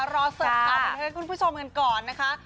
รอเสร็จกลางกันเถอะคุณผู้ชมกันก่อนนะคะ